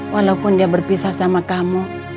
walaupun dia berpisah sama kamu